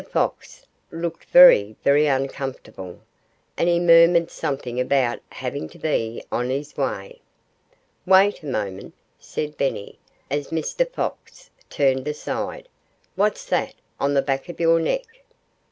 Fox looked very, very uncomfortable. And he murmured something about "having to be on his way." "Wait a moment!" said Benny, as Mr. Fox turned aside. "What's that on the back of your neck?"